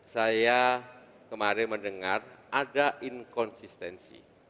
saya kemarin mendengar ada inkonsistensi